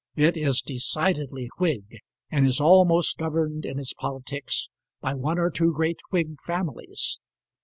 It is decidedly Whig, and is almost governed in its politics by one or two great Whig families.